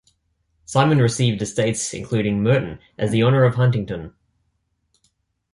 Simon received estates including Merton as the honour of Huntingdon.